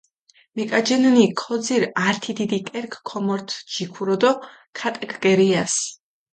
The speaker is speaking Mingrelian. მიკაჯინჷნი, ქოძირჷ ართი დიდი კერქჷ ქომორთჷ ჯიქურო დო ქატაკჷ გერიასჷ.